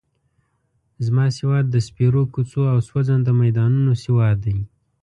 زما سواد د سپېرو کوڅو او سوځنده میدانونو سواد دی.